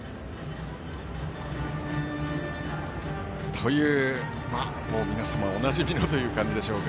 という、皆様おなじみのという感じでしょうか。